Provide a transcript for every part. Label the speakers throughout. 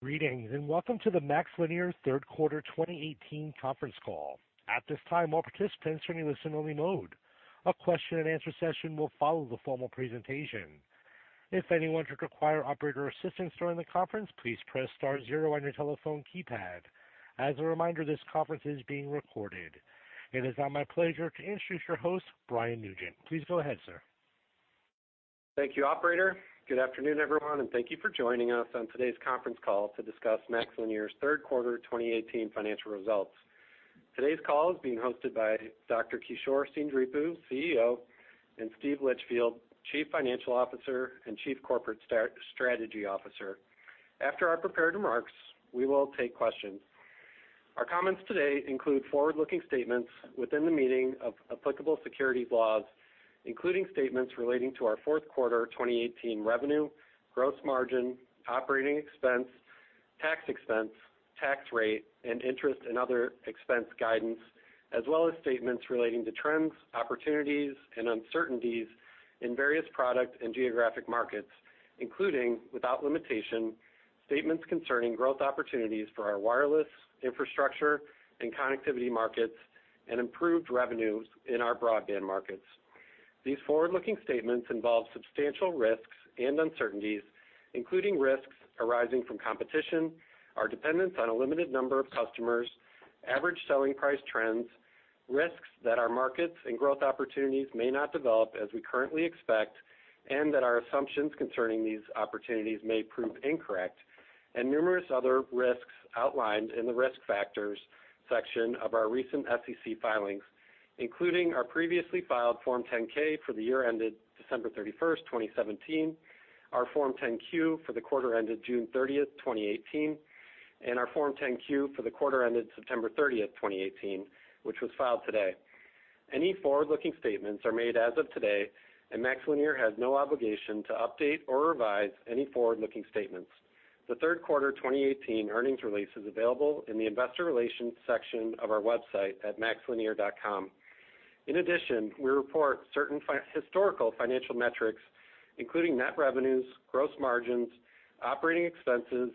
Speaker 1: Greetings, welcome to the MaxLinear third quarter 2018 conference call. At this time, all participants are in listen-only mode. A question-and-answer session will follow the formal presentation. If anyone should require operator assistance during the conference, please press star zero on your telephone keypad. As a reminder, this conference is being recorded. It is now my pleasure to introduce your host, Brian Nugent. Please go ahead, sir.
Speaker 2: Thank you, operator. Good afternoon, everyone, thank you for joining us on today's conference call to discuss MaxLinear's third quarter 2018 financial results. Today's call is being hosted by Dr. Kishore Seendripu, CEO, and Steven Litchfield, Chief Financial Officer and Chief Corporate Strategy Officer. After our prepared remarks, we will take questions. Our comments today include forward-looking statements within the meaning of applicable securities laws, including statements relating to our fourth quarter 2018 revenue, gross margin, operating expense, tax expense, tax rate, and interest and other expense guidance, as well as statements relating to trends, opportunities, and uncertainties in various product and geographic markets, including, without limitation, statements concerning growth opportunities for our wireless infrastructure and connectivity markets and improved revenues in our broadband markets. These forward-looking statements involve substantial risks and uncertainties, including risks arising from competition, our dependence on a limited number of customers, average selling price trends, risks that our markets and growth opportunities may not develop as we currently expect, and that our assumptions concerning these opportunities may prove incorrect, and numerous other risks outlined in the Risk Factors section of our recent SEC filings, including our previously filed Form 10-K for the year ended December 31st, 2017, our Form 10-Q for the quarter ended June 30th, 2018, and our Form 10-Q for the quarter ended September 30th, 2018, which was filed today. Any forward-looking statements are made as of today. MaxLinear has no obligation to update or revise any forward-looking statements. The third quarter 2018 earnings release is available in the investor relations section of our website at maxlinear.com. In addition, we report certain historical financial metrics, including net revenues, gross margins, operating expenses,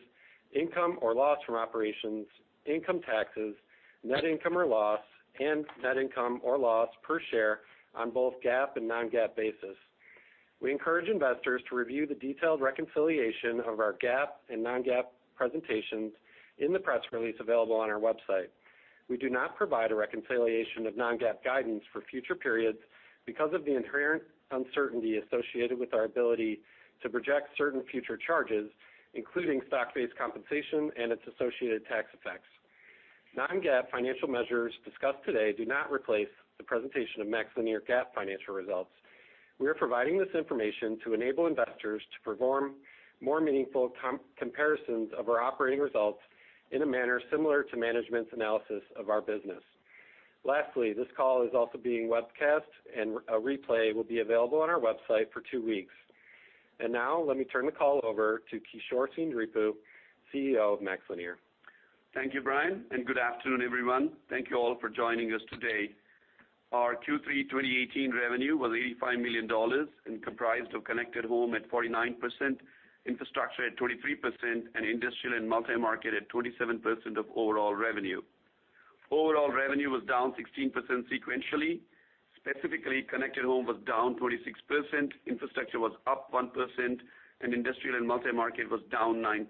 Speaker 2: income or loss from operations, income taxes, net income or loss, and net income or loss per share on both GAAP and non-GAAP basis. We encourage investors to review the detailed reconciliation of our GAAP and non-GAAP presentations in the press release available on our website. We do not provide a reconciliation of non-GAAP guidance for future periods because of the inherent uncertainty associated with our ability to project certain future charges, including stock-based compensation and its associated tax effects. Non-GAAP financial measures discussed today do not replace the presentation of MaxLinear GAAP financial results. We are providing this information to enable investors to perform more meaningful comparisons of our operating results in a manner similar to management's analysis of our business. Lastly, this call is also being webcast, a replay will be available on our website for two weeks. Now, let me turn the call over to Kishore Seendripu, CEO of MaxLinear.
Speaker 3: Thank you, Brian, good afternoon, everyone. Thank you all for joining us today. Our Q3 2018 revenue was $85 million and comprised of connected home at 49%, infrastructure at 23%, and industrial and multi-market at 27% of overall revenue. Overall revenue was down 16% sequentially. Specifically, connected home was down 26%, infrastructure was up 1%, and industrial and multi-market was down 9%.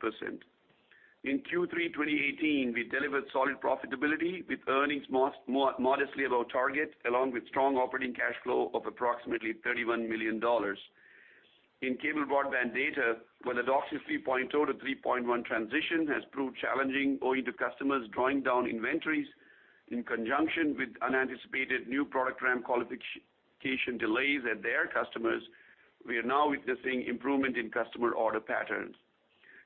Speaker 3: In Q3 2018, we delivered solid profitability with earnings modestly above target, along with strong operating cash flow of approximately $31 million. In cable broadband data, where the DOCSIS 3.0 to 3.1 transition has proved challenging owing to customers drawing down inventories in conjunction with unanticipated new product ramp qualification delays at their customers, we are now witnessing improvement in customer order patterns.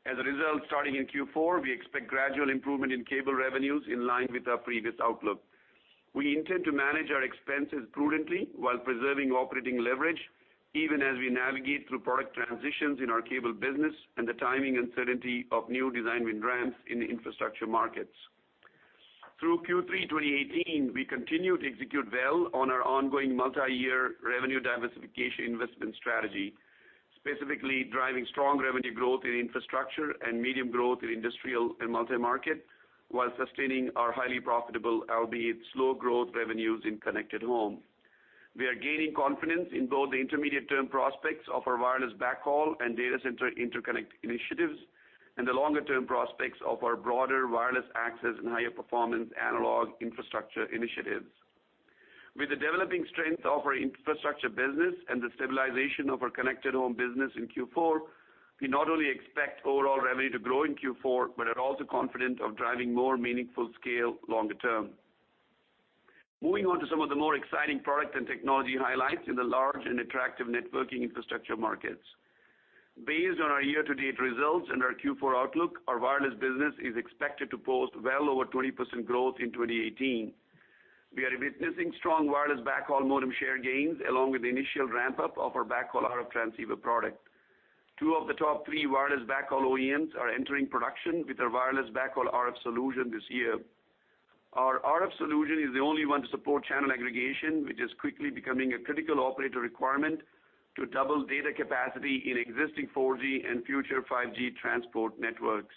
Speaker 3: As a result, starting in Q4, we expect gradual improvement in cable revenues in line with our previous outlook. We intend to manage our expenses prudently while preserving operating leverage, even as we navigate through product transitions in our cable business and the timing uncertainty of new design win ramps in the infrastructure markets. Through Q3 2018, we continued to execute well on our ongoing multi-year revenue diversification investment strategy, specifically driving strong revenue growth in infrastructure and medium growth in industrial and multi-market, while sustaining our highly profitable, albeit slow growth, revenues in connected home. We are gaining confidence in both the intermediate-term prospects of our wireless backhaul and data center interconnect initiatives and the longer-term prospects of our broader wireless access and higher-performance analog infrastructure initiatives. With the developing strength of our infrastructure business and the stabilization of our connected home business in Q4, we not only expect overall revenue to grow in Q4, but are also confident of driving more meaningful scale longer term. Moving on to some of the more exciting product and technology highlights in the large and attractive networking infrastructure markets. Based on our year-to-date results and our Q4 outlook, our wireless business is expected to post well over 20% growth in 2018. We are witnessing strong wireless backhaul modem share gains, along with the initial ramp-up of our backhaul RF transceiver product. Two of the top three wireless backhaul OEMs are entering production with our wireless backhaul RF solution this year. Our RF solution is the only one to support channel aggregation, which is quickly becoming a critical operator requirement to double data capacity in existing 4G and future 5G transport networks.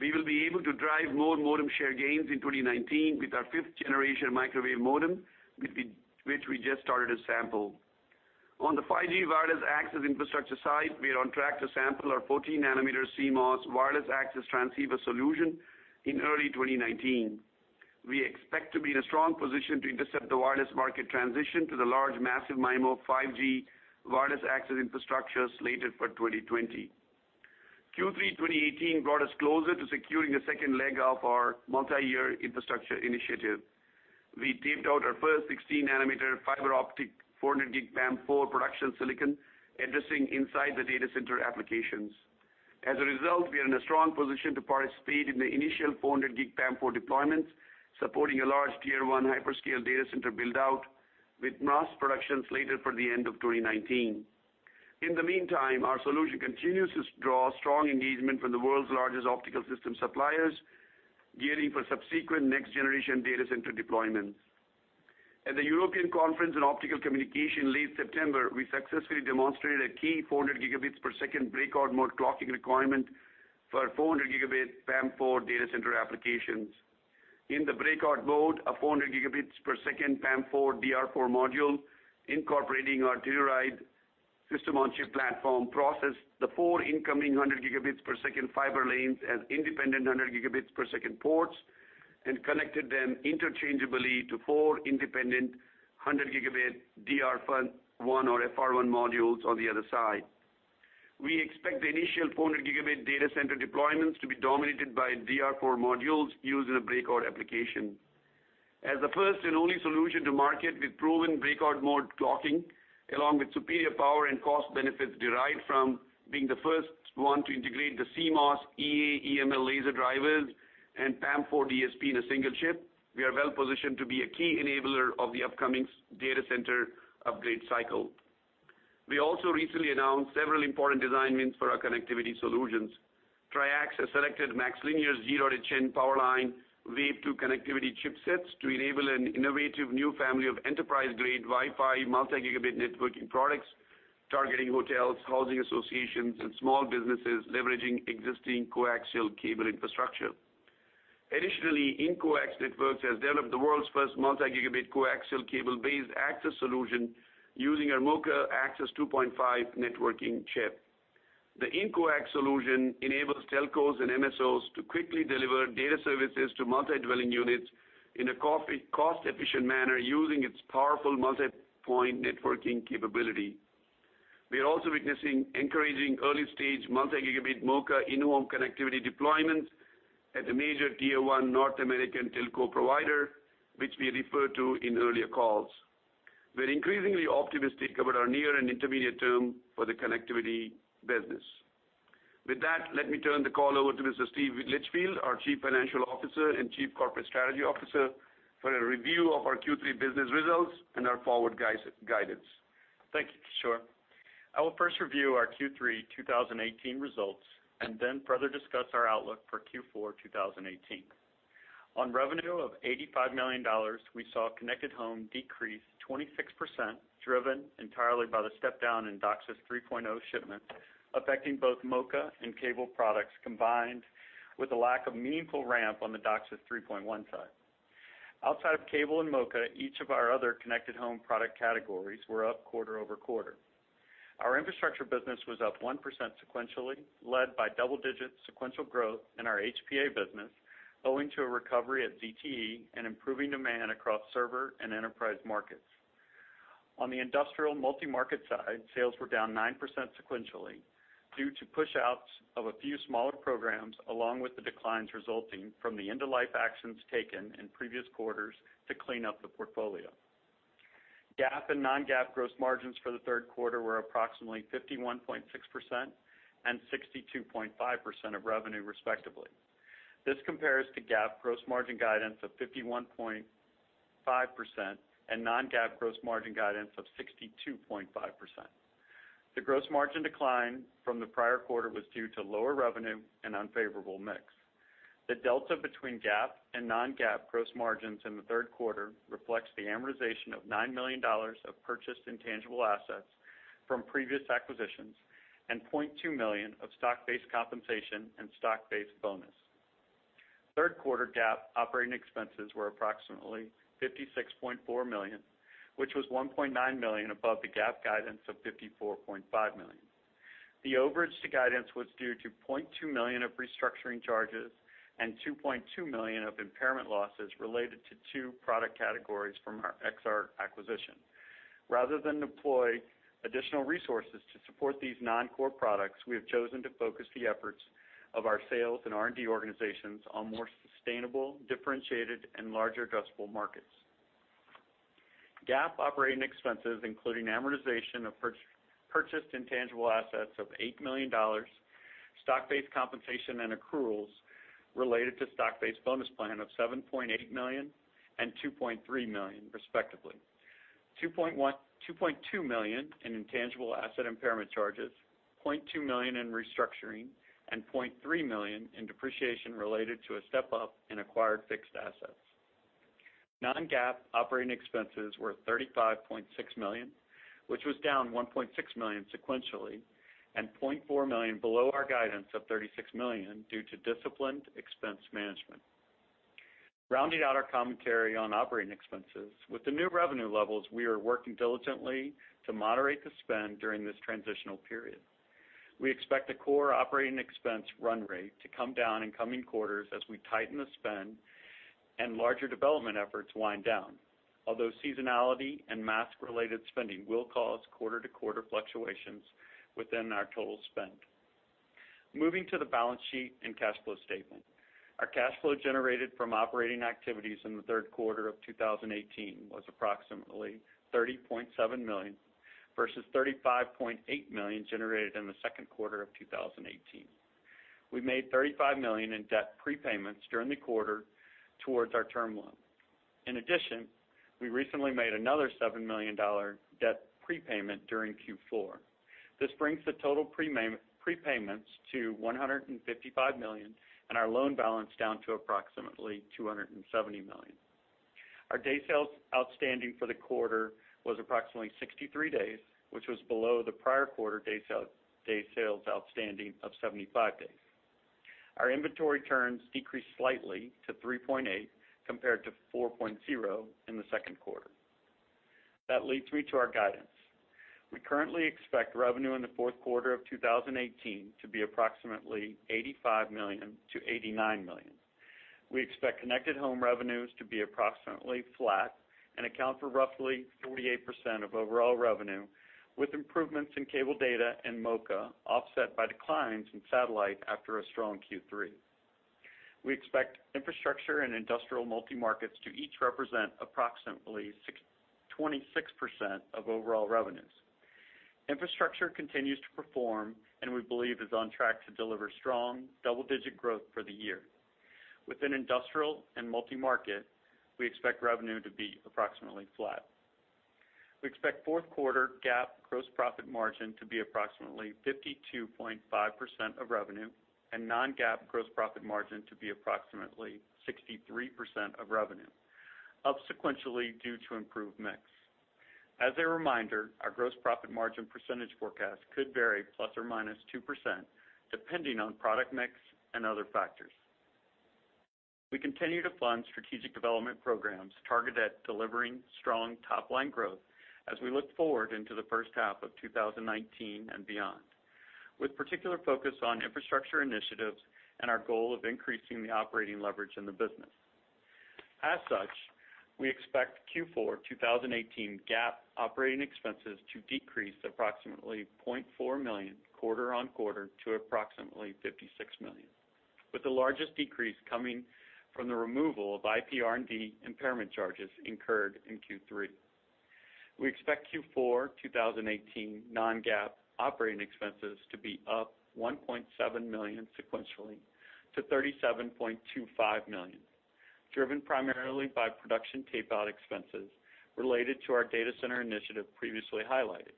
Speaker 3: We will be able to drive more modem share gains in 2019 with our fifth-generation microwave modem, which we just started to sample. On the 5G wireless access infrastructure side, we are on track to sample our 14-nanometer CMOS wireless access transceiver solution in early 2019. We expect to be in a strong position to intercept the wireless market transition to the large Massive MIMO 5G wireless access infrastructure slated for 2020. Q3 2018 brought us closer to securing the second leg of our multi-year infrastructure initiative. We taped out our first 16-nanometer fiber optic 400G PAM4 production silicon addressing inside the data center applications. As a result, we are in a strong position to participate in the initial 400G PAM4 deployments, supporting a large Tier 1 hyperscale data center build-out with mass production slated for the end of 2019. In the meantime, our solution continues to draw strong engagement from the world's largest optical system suppliers, gearing for subsequent next-generation data center deployments. At the European Conference on Optical Communication late September, we successfully demonstrated a key 400 gigabits per second breakout mode clocking requirement for 400 gigabit PAM4 data center applications. In the breakout mode, a 400 gigabits per second PAM4 DR4 module incorporating our Telluride system-on-chip platform processed the four incoming 100 gigabits per second fiber lanes as independent 100 gigabits per second ports and connected them interchangeably to four independent 100 gigabit DR1 or FR1 modules on the other side. We expect the initial 400 gigabit data center deployments to be dominated by DR4 modules using a breakout application. As the first and only solution to market with proven breakout mode clocking, along with superior power and cost benefits derived from being the first one to integrate the CMOS EA-EML laser drivers and PAM4 DSP in a single chip, we are well positioned to be a key enabler of the upcoming data center upgrade cycle. We also recently announced several important design wins for our connectivity solutions. TRIAX has selected MaxLinear's G.hn power line Wave 2 connectivity chipsets to enable an innovative new family of enterprise-grade Wi-Fi multi-gigabit networking products targeting hotels, housing associations, and small businesses leveraging existing coaxial cable infrastructure. Additionally, InCoax Networks has developed the world's first multi-gigabit coaxial cable-based access solution using our MoCA Access 2.5 networking chip. The InCoax solution enables telcos and MSOs to quickly deliver data services to multi-dwelling units in a cost-efficient manner using its powerful multipoint networking capability. We are also witnessing encouraging early-stage multi-gigabit MoCA in-home connectivity deployment at a major Tier 1 North American telco provider, which we referred to in earlier calls. We are increasingly optimistic about our near and intermediate term for the connectivity business. With that, let me turn the call over to Mr. Steve Litchfield, our Chief Financial Officer and Chief Corporate Strategy Officer, for a review of our Q3 business results and our forward guidance.
Speaker 4: Thank you, Kishore. I will first review our Q3 2018 results and then further discuss our outlook for Q4 2018. On revenue of $85 million, we saw Connected Home decrease 26%, driven entirely by the step-down in DOCSIS 3.0 shipments, affecting both MoCA and cable products, combined with a lack of meaningful ramp on the DOCSIS 3.1 side. Outside of cable and MoCA, each of our other Connected Home product categories were up quarter-over-quarter. Our infrastructure business was up 1% sequentially, led by double-digit sequential growth in our HPA business owing to a recovery at ZTE and improving demand across server and enterprise markets. On the industrial multi-market side, sales were down 9% sequentially due to pushouts of a few smaller programs, along with the declines resulting from the end-of-life actions taken in previous quarters to clean up the portfolio. GAAP and non-GAAP gross margins for the third quarter were approximately 51.6% and 62.5% of revenue, respectively. This compares to GAAP gross margin guidance of 51.5% and non-GAAP gross margin guidance of 62.5%. The gross margin decline from the prior quarter was due to lower revenue and unfavorable mix. The delta between GAAP and non-GAAP gross margins in the third quarter reflects the amortization of $9 million of purchased intangible assets from previous acquisitions and $0.2 million of stock-based compensation and stock-based bonus. Third quarter GAAP operating expenses were approximately $56.4 million, which was $1.9 million above the GAAP guidance of $54.5 million. The overage to guidance was due to $0.2 million of restructuring charges and $2.2 million of impairment losses related to two product categories from our Exar acquisition. Rather than deploy additional resources to support these non-core products, we have chosen to focus the efforts of our sales and R&D organizations on more sustainable, differentiated, and larger addressable markets. GAAP operating expenses, including amortization of purchased intangible assets of $8 million, stock-based compensation and accruals related to stock-based bonus plan of $7.8 million And $2.3 million respectively. $2.2 million in intangible asset impairment charges, $0.2 million in restructuring, and $0.3 million in depreciation related to a step-up in acquired fixed assets. Non-GAAP operating expenses were $35.6 million, which was down $1.6 million sequentially and $0.4 million below our guidance of $36 million due to disciplined expense management. Rounding out our commentary on operating expenses, with the new revenue levels, we are working diligently to moderate the spend during this transitional period. We expect the core operating expense run rate to come down in coming quarters as we tighten the spend and larger development efforts wind down. Although seasonality and mask-related spending will cause quarter-to-quarter fluctuations within our total spend. Moving to the balance sheet and cash flow statement. Our cash flow generated from operating activities in the third quarter of 2018 was approximately $30.7 million versus $35.8 million generated in the second quarter of 2018. We made $35 million in debt prepayments during the quarter towards our term loan. In addition, we recently made another $7 million debt prepayment during Q4. This brings the total prepayments to $155 million and our loan balance down to approximately $270 million. Our day sales outstanding for the quarter was approximately 63 days, which was below the prior quarter day sales outstanding of 75 days. Our inventory turns decreased slightly to 3.8 compared to 4.0 in the second quarter. That leads me to our guidance. We currently expect revenue in the fourth quarter of 2018 to be approximately $85 million-$89 million. We expect Connected Home revenues to be approximately flat and account for roughly 48% of overall revenue, with improvements in cable data and MoCA offset by declines in satellite after a strong Q3. We expect infrastructure and industrial multi-markets to each represent approximately 26% of overall revenues. Infrastructure continues to perform and we believe is on track to deliver strong double-digit growth for the year. Within industrial and multi-market, we expect revenue to be approximately flat. We expect fourth quarter GAAP gross profit margin to be approximately 52.5% of revenue and non-GAAP gross profit margin to be approximately 63% of revenue, up sequentially due to improved mix. As a reminder, our gross profit margin percentage forecast could vary ±2%, depending on product mix and other factors. We continue to fund strategic development programs targeted at delivering strong top-line growth as we look forward into the first half of 2019 and beyond, with particular focus on infrastructure initiatives and our goal of increasing the operating leverage in the business. As such, we expect Q4 2018 GAAP operating expenses to decrease approximately $0.4 million quarter-over-quarter to approximately $56 million, with the largest decrease coming from the removal of IPR&D impairment charges incurred in Q3. We expect Q4 2018 non-GAAP operating expenses to be up $1.7 million sequentially to $37.25 million, driven primarily by production tape-out expenses related to our data center initiative previously highlighted.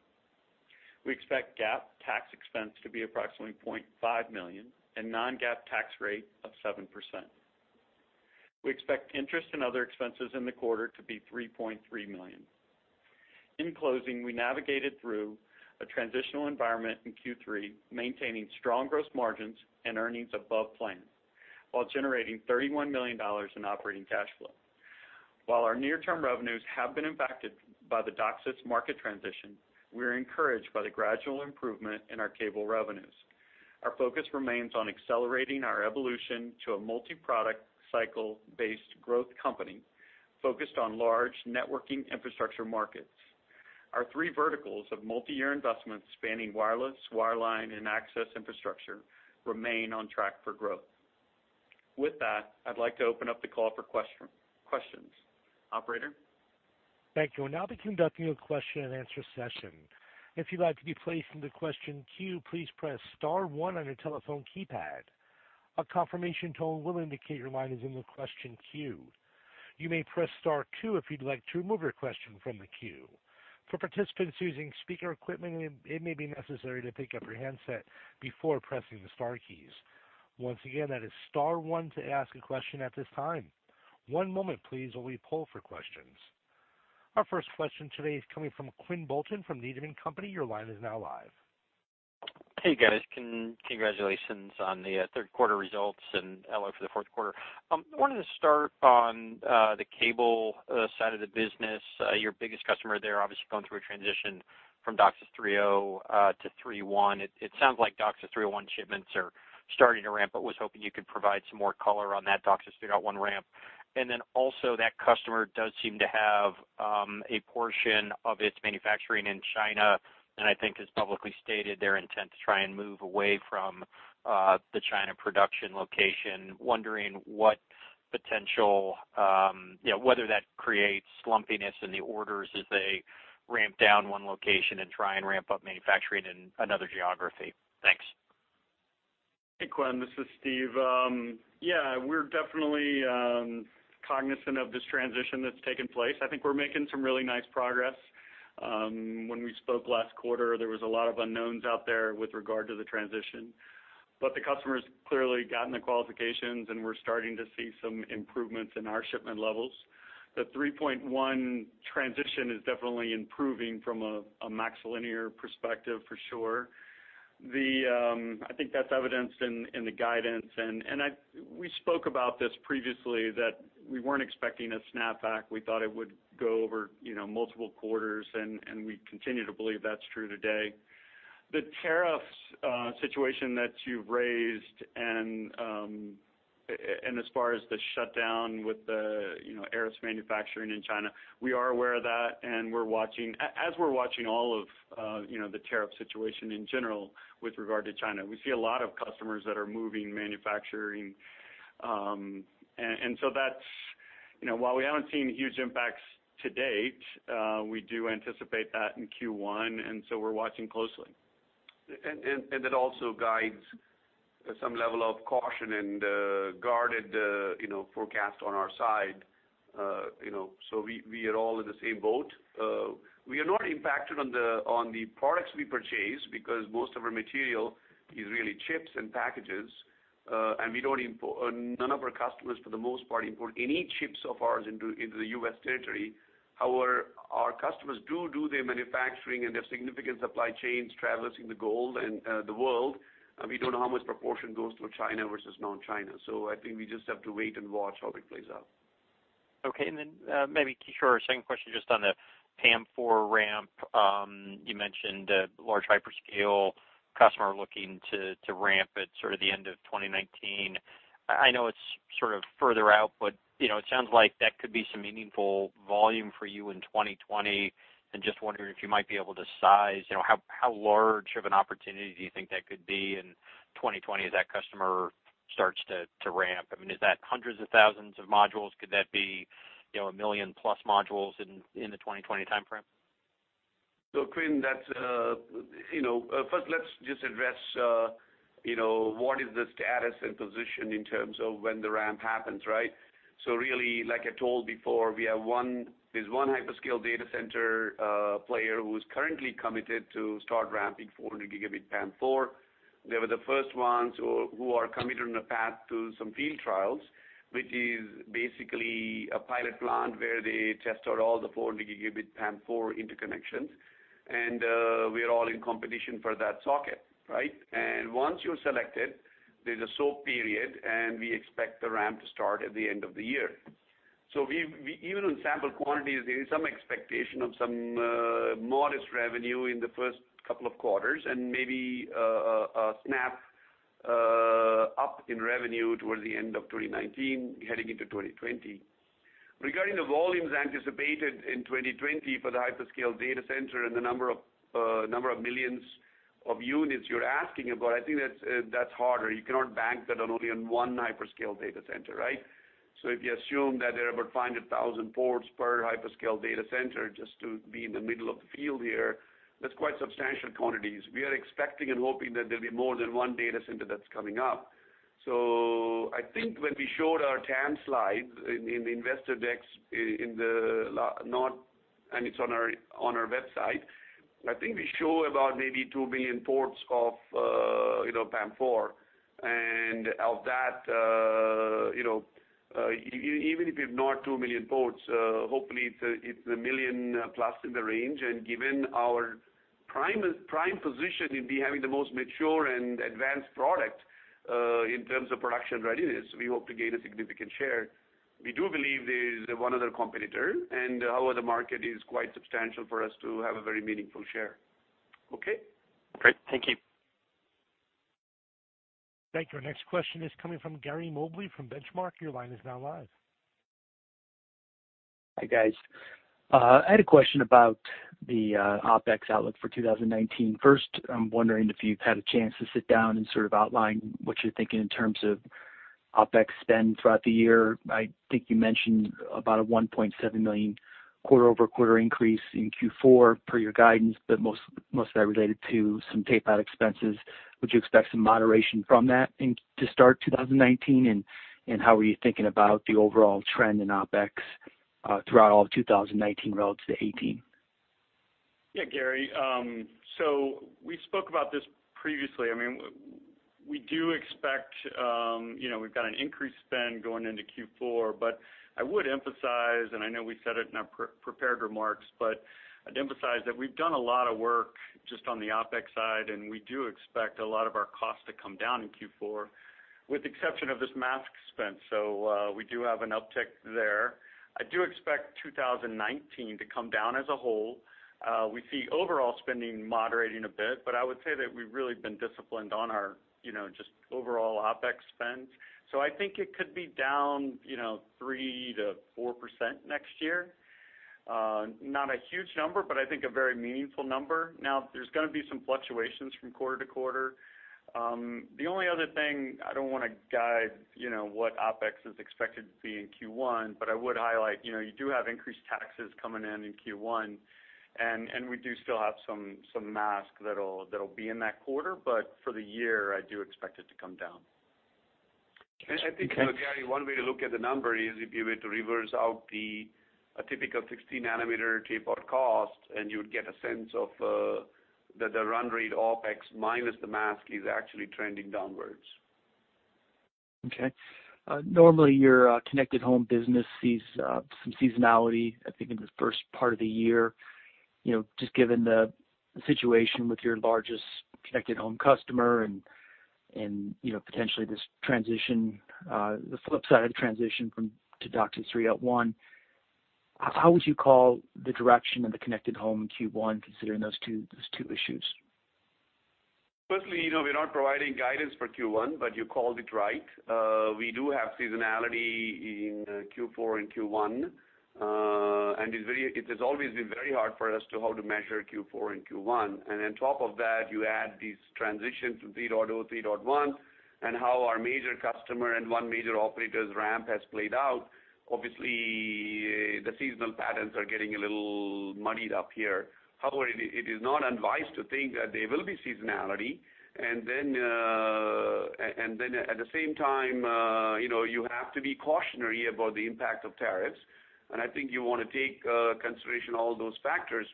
Speaker 4: We expect GAAP tax expense to be approximately $0.5 million and non-GAAP tax rate of 7%. We expect interest in other expenses in the quarter to be $3.3 million. In closing, we navigated through a transitional environment in Q3, maintaining strong gross margins and earnings above plan while generating $31 million in operating cash flow. While our near-term revenues have been impacted by the DOCSIS market transition, we are encouraged by the gradual improvement in our cable revenues. Our focus remains on accelerating our evolution to a multi-product cycle-based growth company focused on large networking infrastructure markets. Our three verticals of multi-year investments spanning wireless, wireline, and access infrastructure remain on track for growth. With that, I'd like to open up the call for questions. Operator?
Speaker 1: Thank you. We'll now be conducting a question and answer session. If you'd like to be placed into question queue, please press star one on your telephone keypad. A confirmation tone will indicate your line is in the question queue. You may press star two if you'd like to remove your question from the queue. For participants using speaker equipment, it may be necessary to pick up your handset before pressing the star keys. Once again, that is star one to ask a question at this time. One moment, please, while we pull for questions. Our first question today is coming from Quinn Bolton from Needham & Company. Your line is now live.
Speaker 5: Hey, guys. Congratulations on the third quarter results and outlook for the fourth quarter. I wanted to start on the cable side of the business. Your biggest customer there obviously going through a transition from DOCSIS 3.0 to DOCSIS 3.1. It sounds like DOCSIS 3.1 shipments are starting to ramp, was hoping you could provide some more color on that DOCSIS 3.1 ramp. Also that customer does seem to have a portion of its manufacturing in China, and I think has publicly stated their intent to try and move away from the China production location. Wondering whether that creates lumpiness in the orders as they ramp down one location and try and ramp up manufacturing in another geography. Thanks.
Speaker 4: Hey, Quinn, this is Steve. We're definitely cognizant of this transition that's taken place. I think we're making some really nice progress. When we spoke last quarter, there was a lot of unknowns out there with regard to the transition. The customer's clearly gotten the qualifications, and we're starting to see some improvements in our shipment levels. The DOCSIS 3.1 transition is definitely improving from a MaxLinear perspective, for sure. I think that's evidenced in the guidance. We spoke about this previously, that we weren't expecting a snap back. We thought it would go over multiple quarters, and we continue to believe that's true today. The tariffs situation that you've raised, and as far as the shutdown with the Arris manufacturing in China, we are aware of that. As we're watching all of the tariff situation in general with regard to China, we see a lot of customers that are moving manufacturing. While we haven't seen huge impacts to date, we do anticipate that in Q1, we're watching closely.
Speaker 3: That also guides some level of caution and guarded forecast on our side. We are all in the same boat. We are not impacted on the products we purchase because most of our material is really chips and packages. None of our customers, for the most part, import any chips of ours into the U.S. territory. However, our customers do do their manufacturing and have significant supply chains traversing the world, and we don't know how much proportion goes through China versus non-China. I think we just have to wait and watch how it plays out.
Speaker 5: Kishore, second question just on the PAM4 ramp. You mentioned a large hyperscale customer looking to ramp at sort of the end of 2019. I know it's sort of further out, but it sounds like that could be some meaningful volume for you in 2020. I'm just wondering if you might be able to size how large of an opportunity do you think that could be in 2020 as that customer starts to ramp? Is that hundreds of thousands of modules? Could that be a million-plus modules in the 2020 timeframe?
Speaker 3: Quinn, first let's just address what is the status and position in terms of when the ramp happens, right? Really, like I told before, there's one hyperscale data center player who's currently committed to start ramping 400 gigabit PAM4. They were the first ones who are committed on a path to some field trials, which is basically a pilot plant where they test out all the 400 gigabit PAM4 interconnections. And we are all in competition for that socket, right? Once you're selected, there's a soak period, and we expect the ramp to start at the end of the year. Even on sample quantities, there is some expectation of some modest revenue in the first couple of quarters, and maybe a snap up in revenue towards the end of 2019 heading into 2020. Regarding the volumes anticipated in 2020 for the hyperscale data center and the number of millions of units you're asking about, I think that's harder. You cannot bank that on only on one hyperscale data center, right? If you assume that there are about 500,000 ports per hyperscale data center, just to be in the middle of the field here, that's quite substantial quantities. We are expecting and hoping that there'll be more than one data center that's coming up. I think when we showed our TAM slide in the investor decks, and it's on our website, I think we show about maybe 2 million ports of PAM4. And of that, even if it's not 2 million ports, hopefully it's a million-plus in the range. Given our prime position in having the most mature and advanced product in terms of production readiness, we hope to gain a significant share. We do believe there is one other competitor, however the market is quite substantial for us to have a very meaningful share. Okay?
Speaker 5: Great. Thank you.
Speaker 1: Thank you. Our next question is coming from Gary Mobley from The Benchmark Company. Your line is now live.
Speaker 6: Hi, guys. I had a question about the OpEx outlook for 2019. First, I'm wondering if you've had a chance to sit down and sort of outline what you're thinking in terms of OpEx spend throughout the year. I think you mentioned about a $1.7 million quarter-over-quarter increase in Q4 per your guidance, but most of that related to some tape-out expenses. Would you expect some moderation from that to start 2019? How are you thinking about the overall trend in OpEx throughout all of 2019 relative to 2018?
Speaker 4: Yeah, Gary. We spoke about this previously. We've got an increased spend going into Q4, but I would emphasize, and I know we said it in our prepared remarks, but I'd emphasize that we've done a lot of work just on the OpEx side, and we do expect a lot of our costs to come down in Q4, with exception of this mask spend. We do have an uptick there. I do expect 2019 to come down as a whole. We see overall spending moderating a bit, but I would say that we've really been disciplined on our just overall OpEx spend. I think it could be down 3%-4% next year. Not a huge number, but I think a very meaningful number. Now, there's going to be some fluctuations from quarter to quarter. The only other thing, I don't want to guide what OpEx is expected to be in Q1, but I would highlight, you do have increased taxes coming in in Q1, and we do still have some mask that'll be in that quarter, but for the year, I do expect it to come down.
Speaker 3: I think, Gary, one way to look at the number is if you were to reverse out the typical 16-nanometer tape out cost, you would get a sense that the run rate OpEx minus the mask is actually trending downwards.
Speaker 6: Okay. Normally, your connected home business sees some seasonality, I think in the first part of the year. Just given the situation with your largest connected home customer and potentially this transition, the flip side of the transition to DOCSIS 3.1, how would you call the direction of the connected home in Q1 considering those two issues?
Speaker 3: Firstly, we're not providing guidance for Q1, but you called it right. We do have seasonality in Q4 and Q1. It has always been very hard for us to how to measure Q4 and Q1. On top of that, you add these transitions from 3.0 to 3.1, and how our major customer and one major operator's ramp has played out. Obviously, the seasonal patterns are getting a little muddied up here. However, it is not unwise to think that there will be seasonality, and then at the same time, you have to be cautionary about the impact of tariffs. I think you want to take consideration all those factors.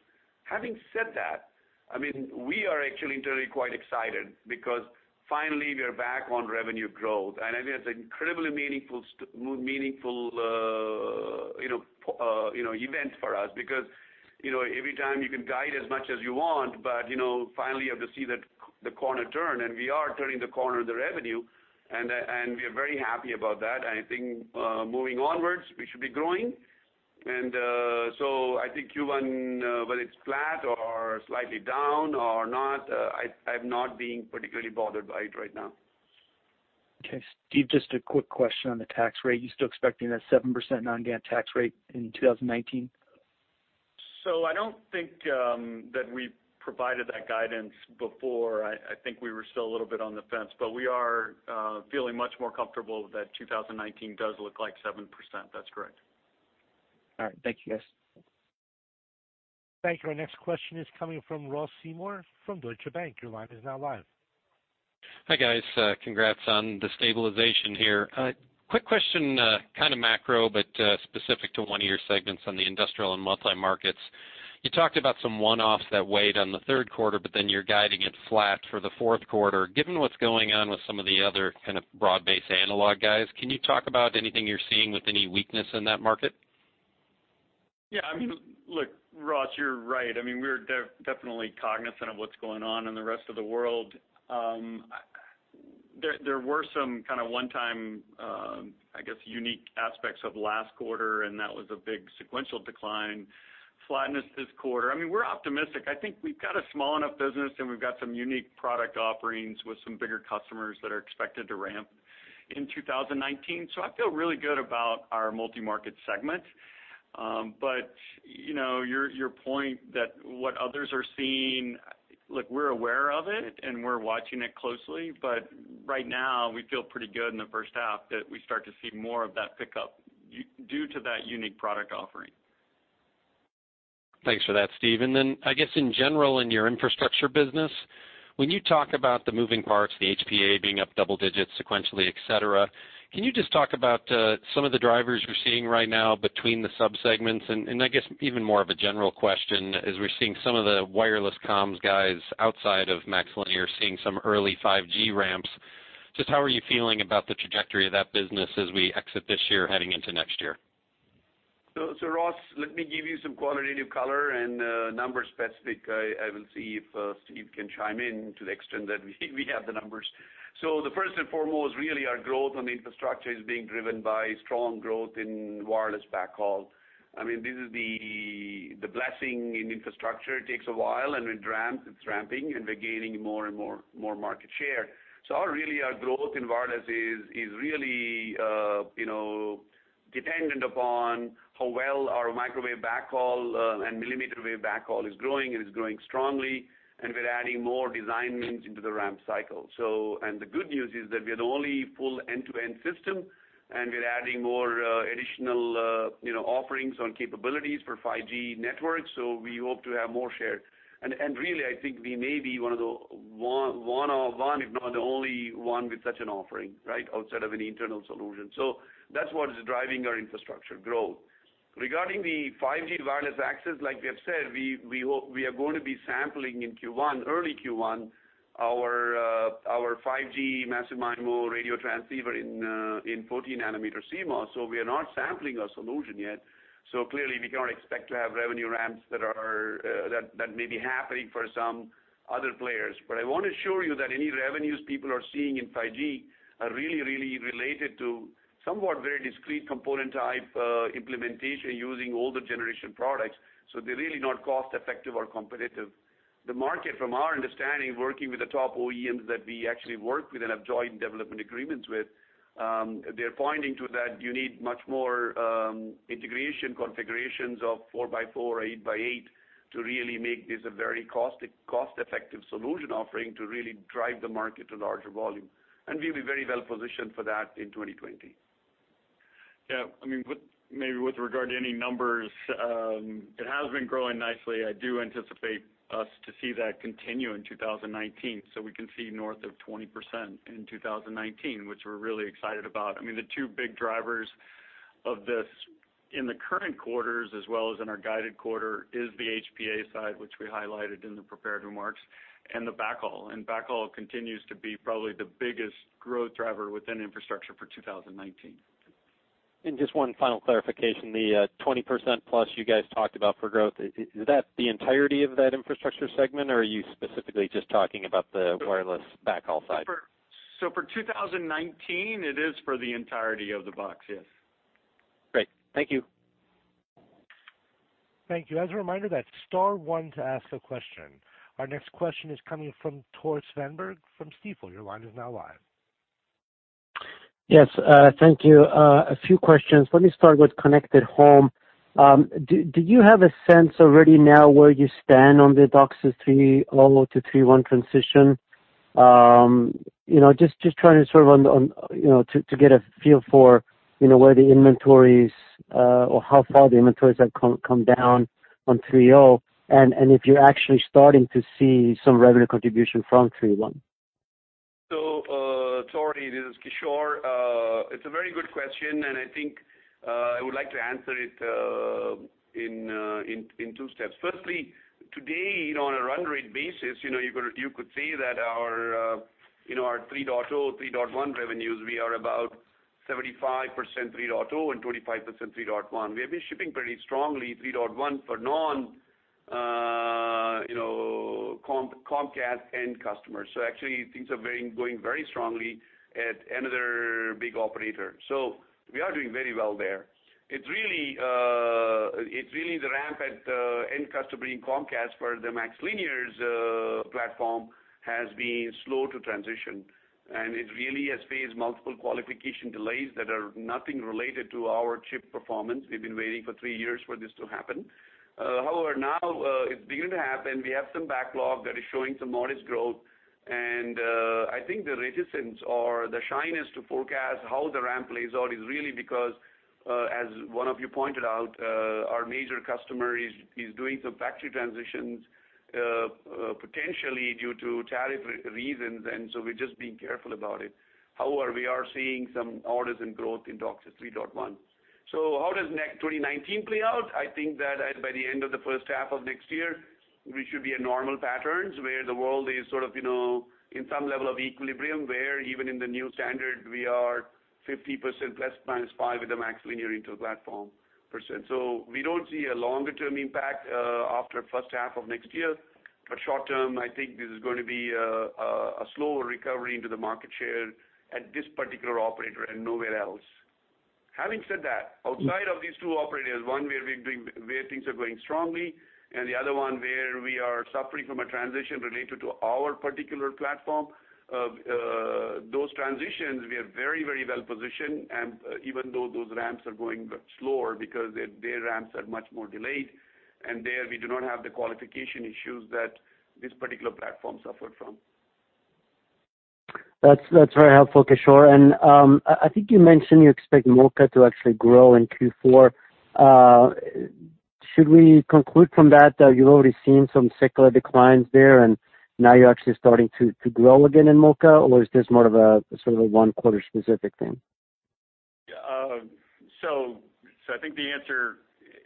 Speaker 3: Having said that, we are actually internally quite excited because finally, we are back on revenue growth. I think that's incredibly meaningful events for us because, every time you can guide as much as you want, but finally you have to see the corner turn, and we are turning the corner of the revenue, and we are very happy about that. I think moving onwards, we should be growing. I think Q1, whether it's flat or slightly down or not, I'm not being particularly bothered by it right now.
Speaker 6: Okay. Steve, just a quick question on the tax rate. You still expecting that 7% non-GAAP tax rate in 2019?
Speaker 4: I don't think that we provided that guidance before. I think we were still a little bit on the fence, but we are feeling much more comfortable that 2019 does look like 7%. That's correct.
Speaker 6: All right. Thank you, guys.
Speaker 1: Thank you. Our next question is coming from Ross Seymore from Deutsche Bank. Your line is now live.
Speaker 7: Hi, guys. Congrats on the stabilization here. Quick question, kind of macro, but specific to one of your segments on the industrial and multi-markets. You talked about some one-offs that weighed on the third quarter. Then you're guiding it flat for the fourth quarter. Given what's going on with some of the other kind of broad-based analog guys, can you talk about anything you're seeing with any weakness in that market?
Speaker 4: Yeah. Look, Ross, you're right. We're definitely cognizant of what's going on in the rest of the world. There were some kind of one-time, I guess, unique aspects of last quarter. That was a big sequential decline, flatness this quarter. We're optimistic. I think we've got a small enough business, and we've got some unique product offerings with some bigger customers that are expected to ramp in 2019. I feel really good about our multi-market segment. Your point that what others are seeing, look, we're aware of it, and we're watching it closely, but right now we feel pretty good in the first half that we start to see more of that pickup due to that unique product offering.
Speaker 7: Thanks for that, Steve. Then I guess in general in your infrastructure business, when you talk about the moving parts, the HPA being up double digits sequentially, et cetera, can you just talk about some of the drivers you're seeing right now between the subsegments? I guess even more of a general question is we're seeing some of the wireless comms guys outside of MaxLinear seeing some early 5G ramps. How are you feeling about the trajectory of that business as we exit this year heading into next year?
Speaker 3: Ross, let me give you some qualitative color and number specific, I will see if Steve Litchfield can chime in to the extent that we have the numbers. The first and foremost, really our growth on the infrastructure is being driven by strong growth in wireless backhaul. This is the blessing in infrastructure. It takes a while, and it's ramping, and we're gaining more and more market share. Really our growth in wireless is really dependent upon how well our microwave backhaul and millimeter wave backhaul is growing, and it's growing strongly, and we're adding more design wins into the ramp cycle. The good news is that we are the only full end-to-end system, and we're adding more additional offerings on capabilities for 5G networks, so we hope to have more share. Really, I think we may be one of one, if not the only one with such an offering outside of an internal solution. That's what is driving our infrastructure growth. Regarding the 5G wireless access, like we have said, we are going to be sampling in Q1, early Q1, our 5G Massive MIMO radio transceiver in 14 nanometer CMOS. We are not sampling a solution yet. Clearly we can't expect to have revenue ramps that may be happening for some other players. I want to assure you that any revenues people are seeing in 5G are really, really related to somewhat very discrete component-type implementation using older generation products. They're really not cost-effective or competitive. The market from our understanding, working with the top OEMs that we actually work with and have joint development agreements with, they're pointing to that you need much more integration configurations of 4x4 or 8x8 to really make this a very cost-effective solution offering to really drive the market to larger volume. We'll be very well positioned for that in 2020.
Speaker 4: Yeah. Maybe with regard to any numbers, it has been growing nicely. I do anticipate us to see that continue in 2019, so we can see north of 20% in 2019, which we're really excited about. The two big drivers of this in the current quarters as well as in our guided quarter is the HPA side, which we highlighted in the prepared remarks, and the backhaul. Backhaul continues to be probably the biggest growth driver within infrastructure for 2019.
Speaker 7: Just one final clarification, the 20%+ you guys talked about for growth, is that the entirety of that infrastructure segment, or are you specifically just talking about the wireless backhaul side?
Speaker 4: For 2019, it is for the entirety of the box, yes.
Speaker 7: Great. Thank you.
Speaker 1: Thank you. As a reminder, that's star one to ask a question. Our next question is coming from Tore Svanberg from Stifel. Your line is now live.
Speaker 8: Yes. Thank you. A few questions. Let me start with Connected Home. Do you have a sense already now where you stand on the DOCSIS 3.0 to 3.1 transition? Just trying to get a feel for where the inventories or how far the inventories have come down on 3.0 and if you're actually starting to see some revenue contribution from 3.1.
Speaker 3: Tore, this is Kishore. It's a very good question. I think I would like to answer it in two steps. Firstly, today, on a run rate basis, you could say that our 3.0, 3.1 revenues, we are about 75% 3.0 and 25% 3.1. We have been shipping pretty strongly 3.1 for non-Comcast end customers. Actually, things are going very strongly at another big operator. We are doing very well there. It's really the ramp at end customer in Comcast where the MaxLinear's platform has been slow to transition. It really has faced multiple qualification delays that are nothing related to our chip performance. We've been waiting for three years for this to happen. However, now it's beginning to happen. We have some backlog that is showing some modest growth. I think the reticence or the shyness to forecast how the ramp plays out is really because, as one of you pointed out, our major customer is doing some factory transitions potentially due to tariff reasons. We're just being careful about it. However, we are seeing some orders and growth in DOCSIS 3.1. How does 2019 play out? I think that by the end of the first half of next year, we should be at normal patterns where the world is in some level of equilibrium, where even in the new standard, we are 50% plus or minus 5% with the MaxLinear interplatform. We don't see a longer-term impact after first half of next year. Short term, I think this is going to be a slower recovery into the market share at this particular operator and nowhere else. Having said that, outside of these two operators, one where things are going strongly, the other one where we are suffering from a transition related to our particular platform, those transitions we are very well positioned. Even though those ramps are going slower because their ramps are much more delayed, there we do not have the qualification issues that this particular platform suffered from.
Speaker 8: That's very helpful, Kishore. I think you mentioned you expect MoCA to actually grow in Q4. Should we conclude from that you've already seen some secular declines there and now you're actually starting to grow again in MoCA, or is this more of a one-quarter specific thing?
Speaker 4: I think the answer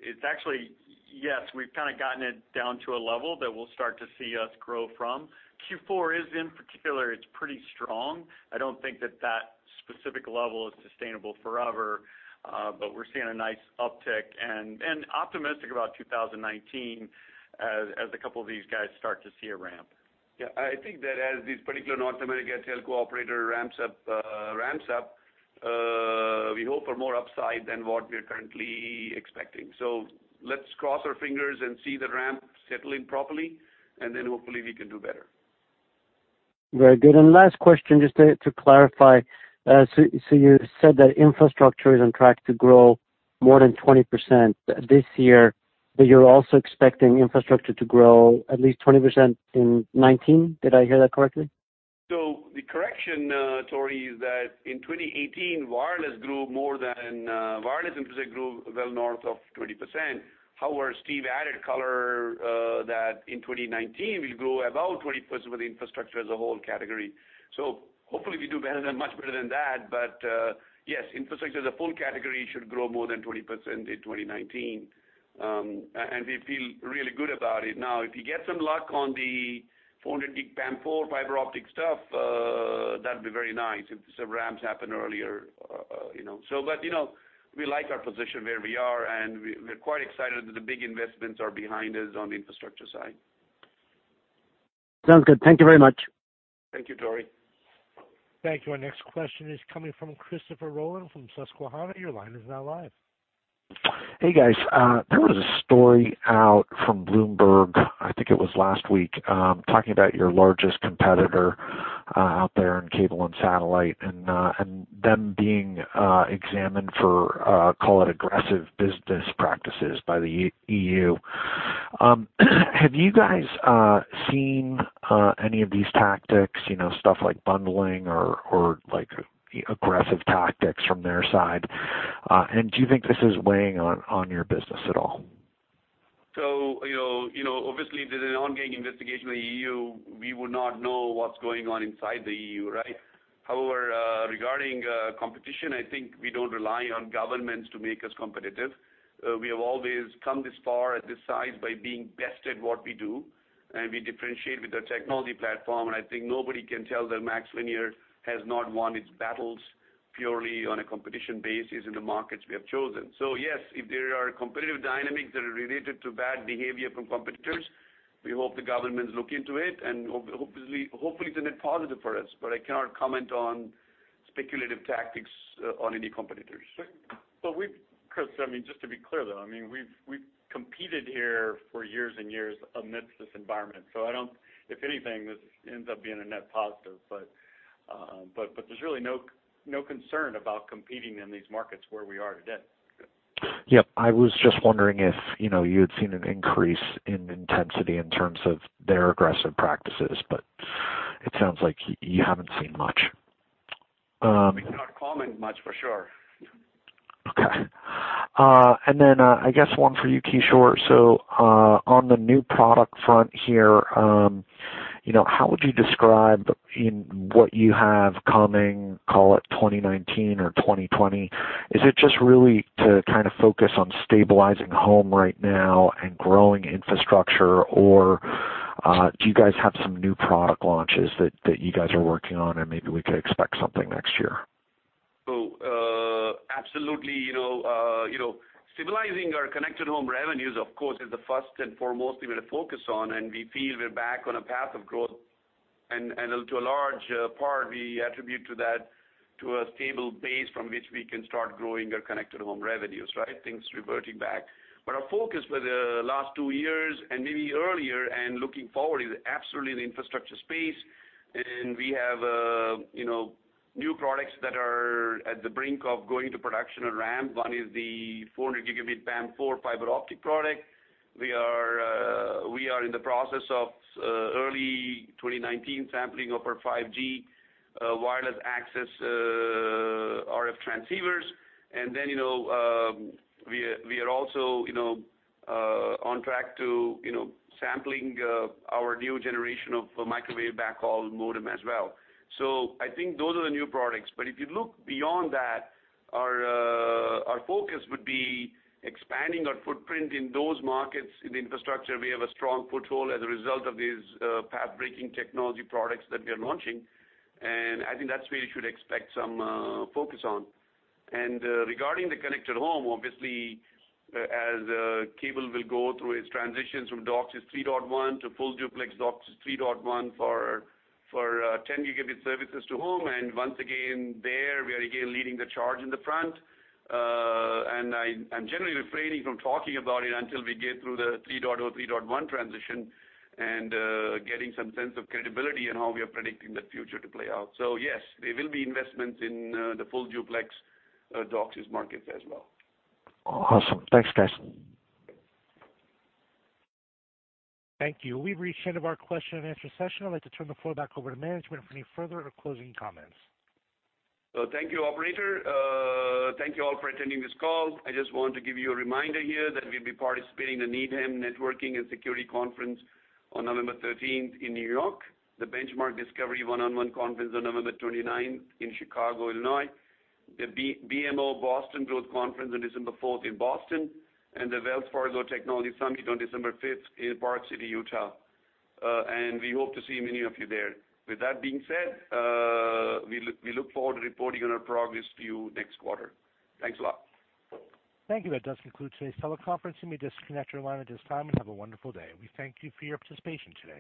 Speaker 4: is actually yes. We've kind of gotten it down to a level that we'll start to see us grow from. Q4 is in particular, it's pretty strong. I don't think that that specific level is sustainable forever, but we're seeing a nice uptick and optimistic about 2019 as a couple of these guys start to see a ramp.
Speaker 3: Yeah, I think that as this particular North America telco operator ramps up, we hope for more upside than what we're currently expecting. Let's cross our fingers and see the ramp settle in properly, and then hopefully we can do better.
Speaker 8: Very good. Last question, just to clarify, you said that infrastructure is on track to grow more than 20% this year, but you're also expecting infrastructure to grow at least 20% in 2019. Did I hear that correctly?
Speaker 3: The correction, Tore, is that in 2018, wireless in particular grew well north of 20%. However, Steve added color that in 2019, we'll grow about 20% with infrastructure as a whole category. Hopefully we do much better than that, yes, infrastructure as a full category should grow more than 20% in 2019. We feel really good about it. If we get some luck on the 400G PAM4 fiber optic stuff, that'd be very nice if some ramps happen earlier. We like our position where we are, and we're quite excited that the big investments are behind us on the infrastructure side.
Speaker 8: Sounds good. Thank you very much.
Speaker 3: Thank you, Tore.
Speaker 1: Thank you. Our next question is coming from Christopher Rolland from Susquehanna. Your line is now live.
Speaker 9: Hey, guys. There was a story out from Bloomberg, I think it was last week, talking about your largest competitor out there in cable and satellite and them being examined for, call it aggressive business practices by the EU. Have you guys seen any of these tactics, stuff like bundling or aggressive tactics from their side? Do you think this is weighing on your business at all?
Speaker 3: Obviously, there's an ongoing investigation in the EU. We would not know what's going on inside the EU. However regarding competition, I think we don't rely on governments to make us competitive. We have always come this far at this size by being best at what we do, we differentiate with our technology platform, I think nobody can tell that MaxLinear has not won its battles purely on a competition basis in the markets we have chosen. Yes, if there are competitive dynamics that are related to bad behavior from competitors, we hope the governments look into it, hopefully, it's a net positive for us. I cannot comment on speculative tactics on any competitors.
Speaker 4: Chris, just to be clear, though, we've competed here for years and years amidst this environment. If anything, this ends up being a net positive. There's really no concern about competing in these markets where we are today.
Speaker 9: Yep. I was just wondering if you had seen an increase in intensity in terms of their aggressive practices, it sounds like you haven't seen much.
Speaker 3: We cannot comment much, for sure.
Speaker 9: Okay. I guess one for you, Kishore. On the new product front here, how would you describe what you have coming, call it 2019 or 2020? Is it just really to focus on stabilizing home right now and growing infrastructure, or do you guys have some new product launches that you guys are working on, and maybe we could expect something next year?
Speaker 3: Absolutely. Stabilizing our connected home revenues, of course, is the first and foremost we will focus on, and we feel we're back on a path of growth. To a large part, we attribute to that to a stable base from which we can start growing our connected home revenues, things reverting back. Our focus for the last two years, and maybe earlier and looking forward, is absolutely the infrastructure space. We have new products that are at the brink of going to production or ramp. One is the 400G PAM4 fiber optic product. We are in the process of early 2019 sampling of our 5G wireless access RF transceivers. We are also on track to sampling our new generation of microwave backhaul modem as well. I think those are the new products. If you look beyond that, our focus would be expanding our footprint in those markets. In infrastructure, we have a strong foothold as a result of these pathbreaking technology products that we are launching. I think that's where you should expect some focus on. Regarding the connected home, obviously, as cable will go through its transitions from DOCSIS 3.1 to Full Duplex DOCSIS 3.1 for 10 gigabit services to home, once again, there we are again leading the charge in the front. I'm generally refraining from talking about it until we get through the 3.0, 3.1 transition and getting some sense of credibility in how we are predicting the future to play out. Yes, there will be investments in the Full Duplex DOCSIS markets as well.
Speaker 9: Awesome. Thanks, guys.
Speaker 1: Thank you. We've reached the end of our question and answer session. I'd like to turn the floor back over to management for any further or closing comments.
Speaker 3: Thank you, operator. Thank you all for attending this call. I just want to give you a reminder here that we'll be participating in the Needham Networking and Security Conference on November 13th in New York, the Benchmark Discovery One-on-One Conference on November 29th in Chicago, Illinois, the BMO Boston Growth Conference on December 4th in Boston, and the Wells Fargo Technology Summit on December 5th in Park City, Utah. We hope to see many of you there. With that being said, we look forward to reporting on our progress to you next quarter. Thanks a lot.
Speaker 1: Thank you. That does conclude today's teleconference. You may disconnect your line at this time, and have a wonderful day. We thank you for your participation today.